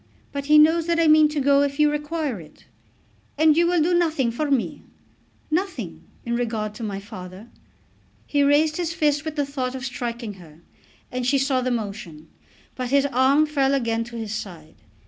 But he knows that I mean to go if you require it." "And you will do nothing for me?" "Nothing, in regard to my father." He raised his fist with the thought of striking her, and she saw the motion. But his arm fell again to his side.